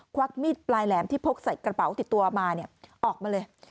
วักมีดปลายแหลมที่พกใส่กระเป๋าติดตัวมาออกมาเลย